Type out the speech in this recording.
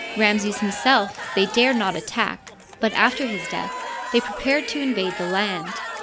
Ramses himself they dared not attack,, but after his death they prepared to invade the land.